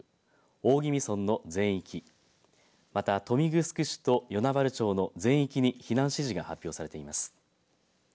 大宜味村の全域また豊見城市と与那原町の全域に避難指示が発表されています。